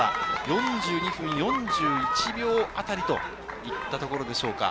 ４２分４１秒あたりというところでしょうか。